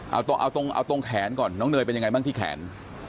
เอาตรงเอาตรงแขนก่อนน้องเนยเป็นยังไงบ้างที่แขน